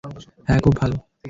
হ্যাঁ খুব ভালো।